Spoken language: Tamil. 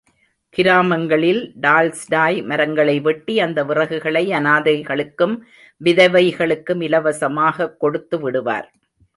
கிராமங்களில் டால்ஸ்டாய் மரங்களை வெட்டி, அந்த விறகுகளை அநாதைகளுக்கும் விதவைகளுக்கும் இலவசமாகக் கொடுத்துவிடுவார்.